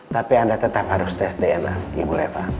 tapi anda tetap harus tes dna ibu leva